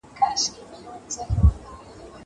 زه له سهاره مکتب ته ځم!!